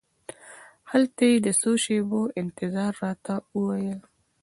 هلته یې د څو شېبو انتظار راته وویل.